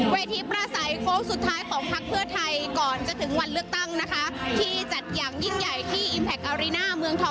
เวทีประสายโค้ดสุดท้ายของพักเพื่อไทยก่อนจะถึงวันเลือกตั้งนะคะ